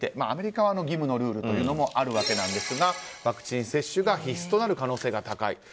アメリカは義務のルールがあるわけなんですがワクチン接種が必須となる可能性が高い。